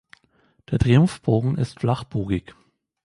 Der Triumphbogen ist flachbogig.